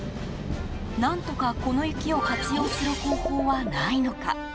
何とか、この雪を活用する方法はないのか。